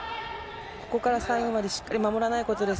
ここから最後までしっかり守らないことです。